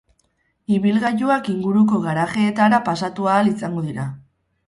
Ibilgailuak inguruko garajeetara pasatu ahal izango dira.